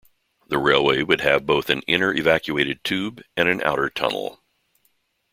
The railway would have both an inner evacuated tube and an outer tunnel.